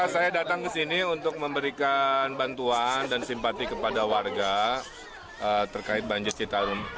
saya datang ke sini untuk memberikan bantuan dan simpati kepada warga terkait banjir citarum